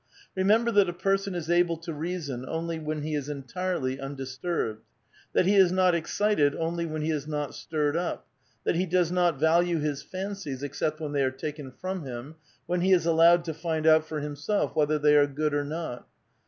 " Remember that a person is able to reason only when he is entirely undisturbed ; that he is not excited only when he is not stirred up ; that he does not value his fancies except when the}' are taken from him, when he is allowed to find out for himself whether they are good or not.